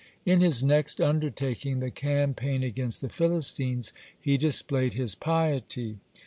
(56) In his next undertaking, the campaign against the Philistines, he displayed his piety.